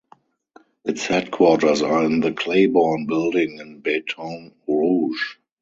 Its headquarters are in the Claiborne Building in Baton Rouge.